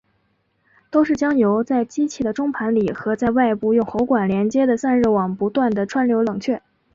都是将油在机器的中盘里和在外部用喉管连接的散热网不停地穿流冷却。